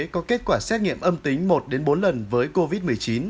có kết quả xét nghiệm âm tính một bốn lần với covid một mươi chín